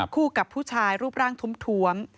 คู่กับผู้ชายรูปร่างทุ่มทวม